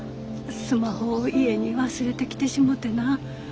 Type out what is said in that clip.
スマホを家に忘れてきてしもてな。